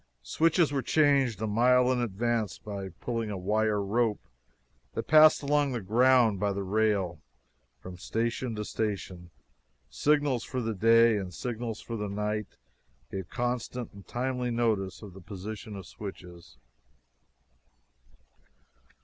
Switches were changed a mile in advance by pulling a wire rope that passed along the ground by the rail, from station to station. Signals for the day and signals for the night gave constant and timely notice of the position of switches.